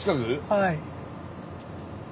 はい。